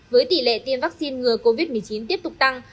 với tỷ lệ tiêm vaccine ngừa covid một mươi chín tiếp tục tăng